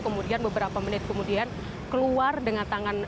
kemudian beberapa menit kemudian keluar dengan tangan